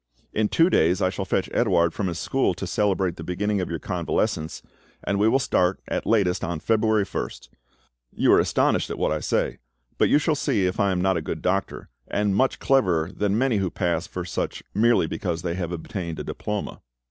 In two days I shall fetch Edouard from his school to celebrate the beginning of your convalescence, and we will start, at latest, on February 1st. You are astonished at what I say, but you shall see if I am not a good doctor, and much cleverer than many who pass for such merely because the have obtained a diploma."